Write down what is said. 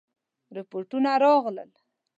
رپوټونه راغلل.